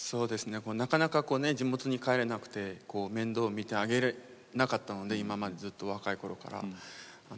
なかなか地元に帰れなくて面倒見てあげられなかったので今までずっと若いころから。